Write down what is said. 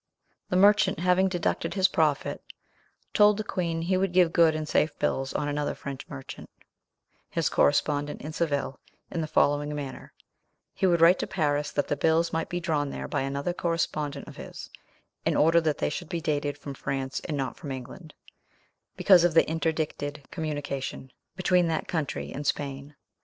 The merchant having deducted his profit, told the queen he would give good and safe bills on another French merchant, his correspondent in Seville, in the following manner:—He would write to Paris that the bills might be drawn there by another correspondent of his, in order that they should be dated from France and not from England, because of the interdicted communication between that country and Spain.